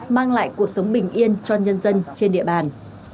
mang lại cuộc sống bình yên cho nhân dân trên địa bàn